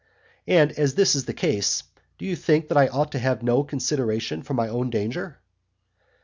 And as this is the case, do you think that I ought to have no consideration for my own danger?